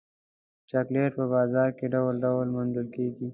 چاکلېټ په بازار کې ډول ډول موندل کېږي.